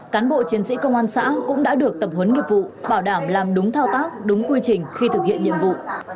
cán bộ chiến sĩ công an xã cũng đã được tập huấn nghiệp vụ bảo đảm làm đúng thao tác đúng quy trình khi thực hiện nhiệm vụ